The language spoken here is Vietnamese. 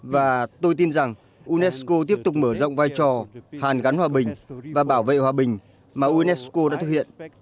và tôi tin rằng unesco tiếp tục mở rộng vai trò hàn gắn hòa bình và bảo vệ hòa bình mà unesco đã thực hiện